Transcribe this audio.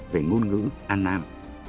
về ngôn ngữ an nam